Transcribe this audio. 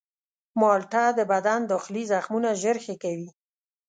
مالټه د بدن داخلي زخمونه ژر ښه کوي.